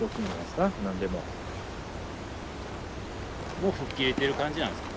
もう吹っ切れてる感じなんですか？